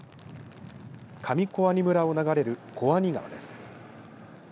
上小阿仁村を流れる小阿仁川です。